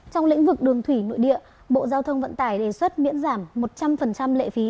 trong lĩnh vực đường thủy nội địa bộ giao thông vận tải đề xuất miễn giảm một trăm linh lệ phí